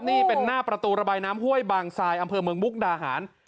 นี่เป็นหน้าประตูระบายน้ำห้วยบางซายอำเภอเมืองมุกดาหาร